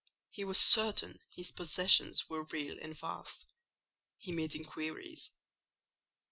He was certain his possessions were real and vast: he made inquiries.